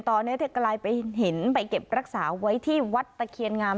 ตอนนี้เธอกลายไปเห็นไปเก็บรักษาไว้ที่วัดตะเคียนงาม